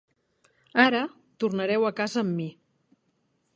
Ara, tornareu a casa amb mi.